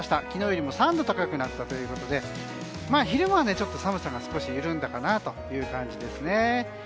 昨日よりも３度高くなったということで昼間は寒さが少し緩んだかなという感じですね。